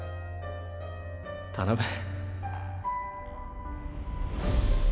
頼む